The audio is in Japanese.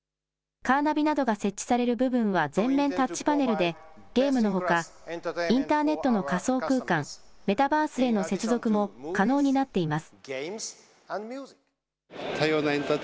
カーナビなどが設置される部分は全面タッチパネルで、ゲームのほか、インターネットの仮想空間・メタバースへの接続も可能になっています。